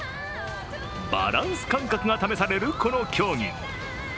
バランス感覚が試されるこの競技。